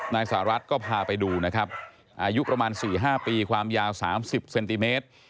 นายสหรัฐก็พาไปดูนะครับอายุประมาณ๔๕ปีความยาว๓๐เซนติเมตร